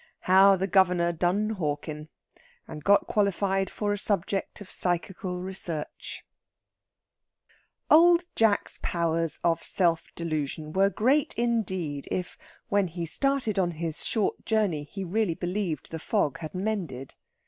HOW THE GOVERNOR DONE HOARCKIN', AND GOT QUALIFIED FOR A SUBJECT OF PSYCHICAL RESEARCH Old Jack's powers of self delusion were great indeed if, when he started on his short journey, he really believed the fog had mended.